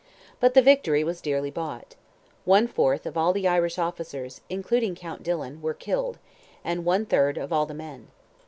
But the victory was dearly bought. One fourth of all the Irish officers, including Count Dillon, were killed, and one third of all the men.